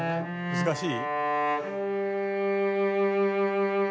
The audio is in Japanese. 「難しい？」